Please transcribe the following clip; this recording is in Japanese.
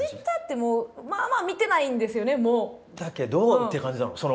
だけどって感じなの。